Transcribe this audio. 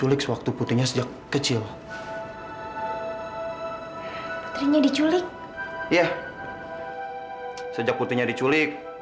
iya sejak putrinya diculik